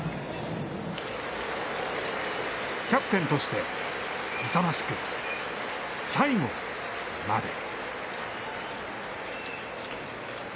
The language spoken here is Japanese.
キャプテンとして勇ましく、最後まで。